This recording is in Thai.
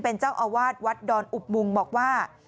เป็นเจ้าอาวาสวัดดอนอุบมุงบอกว่า